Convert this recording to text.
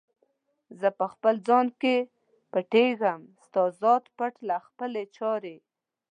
زه په خپل ځان کې پټیږم، ستا ذات پټ له خپلي چارې